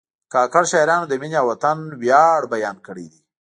کاکړ شاعرانو د مینې او وطن ویاړ بیان کړی دی.